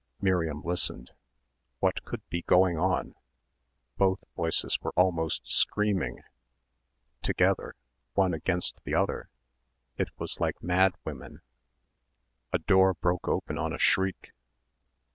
Miriam listened. What could be going on? ... both voices were almost screaming ... together ... one against the other ... it was like mad women.... A door broke open on a shriek.